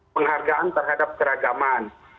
penghargaan terhadap keragaman